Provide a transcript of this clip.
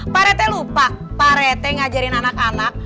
pak rethe lupa pak rethe ngajarin anak anak